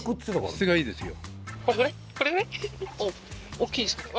質がいいですよ。